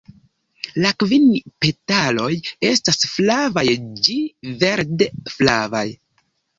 La kvin petaloj estas flavaj ĝi verde-flavaj.